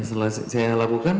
apa lagi yang saudara lakukan